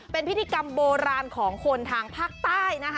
เป็นพิธีกรรมโบราณของคนทางภาคใต้นะคะ